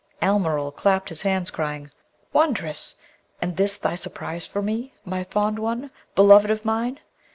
Almeryl clapped his hands, crying, 'Wondrous! And this thy surprise for me, my fond one? beloved of mine!'